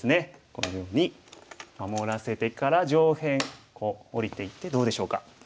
このように守らせてから上辺下りていってどうでしょうか？